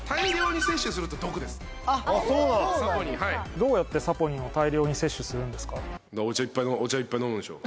どうやってサポニンを大量に摂取するんですか？